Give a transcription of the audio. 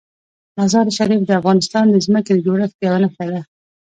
مزارشریف د افغانستان د ځمکې د جوړښت یوه ښه نښه ده.